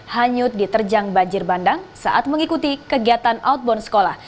hanyut diterjang banjir bandang saat mengikuti kegiatan outbound sekolah